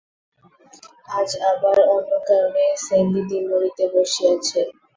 আজ আবার অন্য কারণে সেনদিদি মরিতে বসিয়াছে।